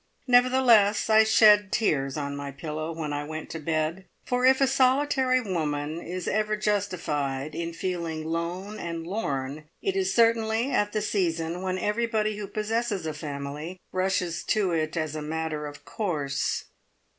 Nevertheless, I shed tears on my pillow when I went to bed, for if a solitary woman is ever justified in feeling "lone and lorn," it is certainly at the season when everybody who possesses a family rushes to it as a matter of course.